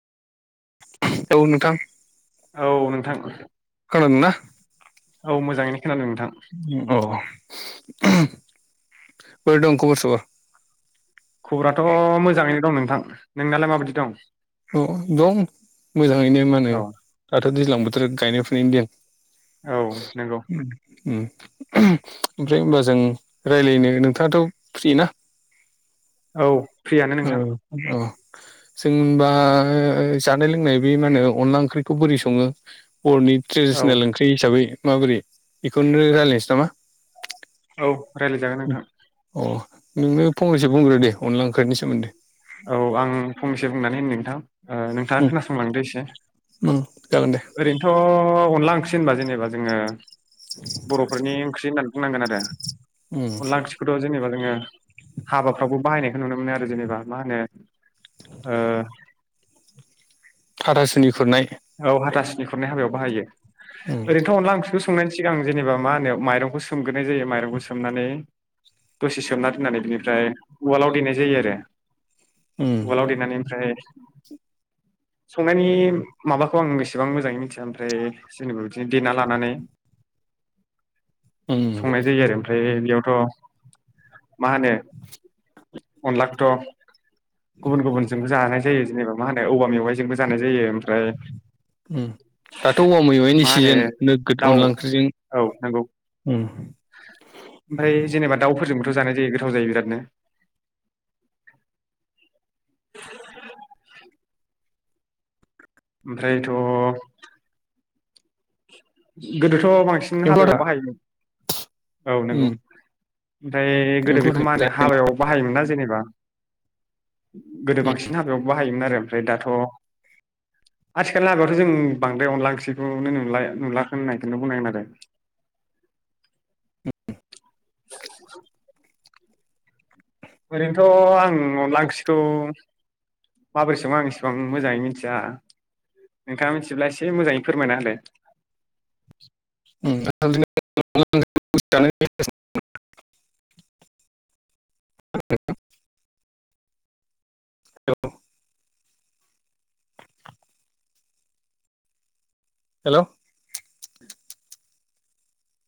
औ नोंथां औ नोंथां ओं ना औ मोजांङै अ बोरै दं खबर सबर खबराथ मोजांङैनो दं नोंथां नोंनालाय माबायदि दं अ दं मोजांङैनो मा होनो औ दाथ दैज्लां बोथोर गायनाय फुनायनि दिन औ नंगौ उम ओमफ्राय होमबा जों रायलायनो नोंथाङाथ फ्रि ना औ फ्रियानो औ नोंथां अ जोंबा जानाय लोंनाय बे मा होनो अनला ओंख्रिखौ बोरै संङो बरनि औ ट्रेडिसनेल ओंख्रि हिसाबै माबोरै बेखौनो रायलायनोसै नामा औ रायलायजागोन नोंथां अ नोंनो फंनैसो बुंग्रो दे अनला ओंख्रिनि सोमोन्दै औ आं फंनैसो बुंनानै होनो नोंथां ओ नोंथांङा उम खोनासंलांदो एसे उम जागोन दे ओरैनोथ अनला ओंख्रि [unintelligible] नबा जेनेबा जोंङो बरफोरनि ओंख्रि होननानै बुंनांगोन आरो उम अनला ओंख्रिखौथ जेनेबा जोंङो हाबाफ्रावबो बाहायनायखौ नुनो मोनो आरो जेनेबा मा होनो ओ हाथासुनि खुरनाय औ हाथाासनि खुरनाय हाबायाव बाहायो उम ओरैनोथ अनला ओंख्रिखौ संनायनि सिगां जेनेबा मा होनो माइरंखौ सोमग्रोनाय जायो माइरंखौ सोमनानै दसे सोमना दोननानै बिनिफ्राय उवालाव देनाय जायो आरो उम उवालाव देनानै ओमफ्राय संनायनि माबाखौ आं बेसेबां मोजाङै मिथिया ओमफ्राय जेनेबा बिदिनो देना लानानै उम संनाय जायो आरो ओमफ्राय बेयावथ' मा होनो अनलाखौथ' गुबुन गुबुनजोंबो जानाय जायो। जेनेबा मा होनो औबा मेवाइजोंबो जानाय जायो ओमफ्राय उम दाथ' औवा मेवाइनि मा होनो सिजोन नोगोद दाउ अनला ओंख्रिजों औ नंगौ उम ओमफ्राय जेनेबा दाउफोरजोंबोथ' जानाय जायो गोथाव जायो बिरादनो [inaudible] ओमफ्रायथ' गोदोथ' बांसिन एम्फौ हाबायाव लाथा बाहायोमोन औ नोंगौ उम ओमफ्राय गोदो एम्फौ बेखौ मा होनो लाथा हाबायाव बाहायोमोन ना जेनेबा गोदो बांसिन हाबायाव बाहायोमोनआरो ओमफ्राय दाथ' आथिखालनि हाबायावथ' जों बांद्राय अनला ओंखौनो नुला नुला होननायखोनो बुंनांगोन आरो [inaudible] ओरैनोथ' आं अनला ओंख्रिखौ माबोरै सङो आं इसेबां मोजाङै मिथिया नोंथाङा मिथिब्ला एसे मोजाङै फोरमाया होलाय [inaudible] [unintelligible] [unintelligible] औ हेलौ